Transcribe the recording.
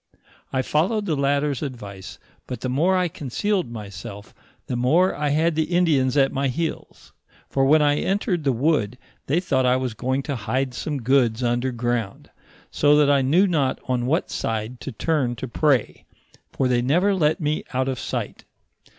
I followed the latter's advice, but the more I concealed myself, the more I had the Indians af my heels, for when I entered the wood, they thought I was going to hide some goods under ground, so that I knew not on what side to tuni to pray, for they never let me out of sight.